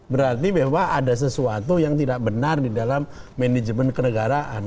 berarti bahwa ada sesuatu yang tidak benar di dalam manajemen kenegaraan